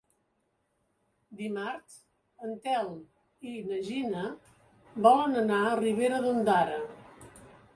Dimarts en Telm i na Gina volen anar a Ribera d'Ondara.